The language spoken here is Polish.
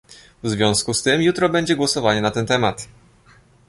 W związku z tym jutro będzie głosowanie na ten temat